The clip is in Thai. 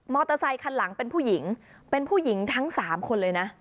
อเตอร์ไซคันหลังเป็นผู้หญิงเป็นผู้หญิงทั้ง๓คนเลยนะ